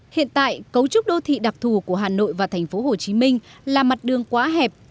hiện tại cấu trúc đô thị đặc thù của hà nội và thành phố hồ chí minh là mặt đường quá hẹp